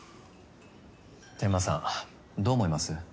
天間さんどう思います？